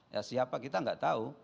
ya siapa kita nggak tahu